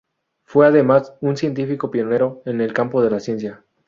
Fue, además, un científico pionero en el campo de la conciencia.